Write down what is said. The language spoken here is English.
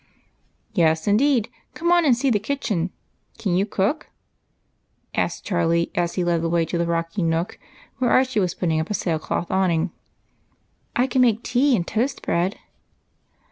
" Yes, indeed, come on and see to the kitchen. Can you cook ?" asked Charlie, as he led the way to the rocky nook where Archie was putting ujd a sail cloth awning. " I can make tea and toast bread."